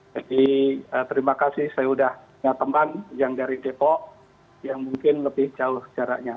jadi terima kasih saya sudah punya teman yang dari depok yang mungkin lebih jauh jaraknya